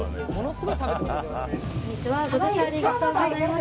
ご乗車ありがとうございます。